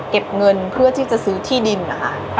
เก็บเงินเพื่อที่จะซื้อที่ดินนะคะ